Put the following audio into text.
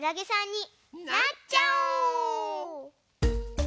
なっちゃおう！